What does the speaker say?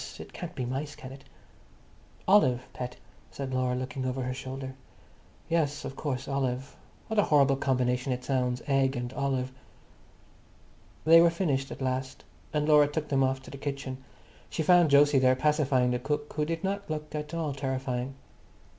It can't be mice, can it?" "Olive, pet," said Laura, looking over her shoulder. "Yes, of course, olive. What a horrible combination it sounds. Egg and olive." They were finished at last, and Laura took them off to the kitchen. She found Jose there pacifying the cook, who did not look at all terrifying.